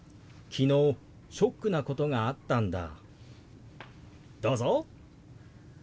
昨日ショックなことがあったんだ。